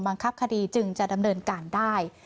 บังคับคดีจึงจะดำเนินการได้